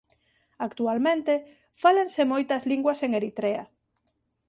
Actualmente fálanse moitas linguas en Eritrea.